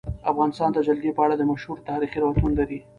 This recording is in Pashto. افغانستان د جلګه په اړه مشهور تاریخی روایتونه لري.